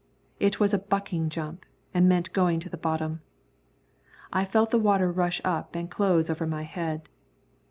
It was a bucking jump and meant going to the bottom. I felt the water rush up and close over my head.